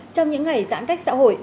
trong những ngày giãn cách xã hội